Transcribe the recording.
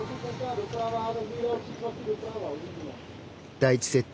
第１セット